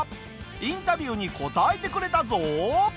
インタビューに答えてくれたぞ！